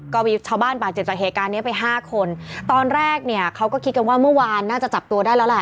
ก็มีชาวบ้านบาดเจ็บจากเหตุการณ์เนี้ยไปห้าคนตอนแรกเนี่ยเขาก็คิดกันว่าเมื่อวานน่าจะจับตัวได้แล้วแหละ